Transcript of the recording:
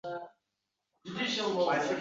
Yer yuzida nomi suyuk